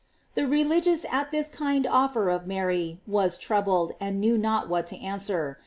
The religious at this kind offer of Mary was troubled, and knew not what to answer.